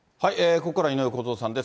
ここからは井上公造さんです。